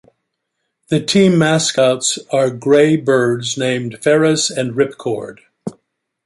The team mascots are gray birds named Ferrous and Ripcord.